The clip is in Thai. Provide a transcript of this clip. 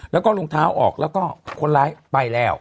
แล้วก็รองเท้าออกแล้วก็คนร้ายไปแล้ว